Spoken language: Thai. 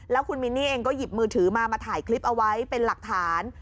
แล้วคุณมินนี่เองก็หยิบมือถือมามาถ่ายคลิปเอาไว้เป็นหลักฐาน